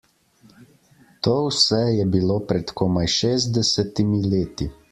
To vse je bilo pred komaj šestdesetimi leti.